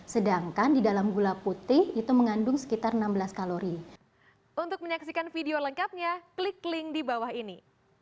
sedangkan di dalam gula putih itu mengandung sekitar enam belas kalori